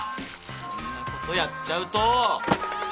そんなことやっちゃうと。